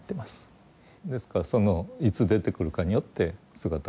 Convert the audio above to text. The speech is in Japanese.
ですからそのいつ出てくるかによって姿形の在り方も違う。